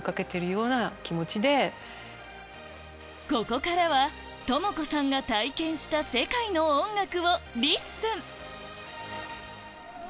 ここからは智子さんが体験した世界の音楽をリッスン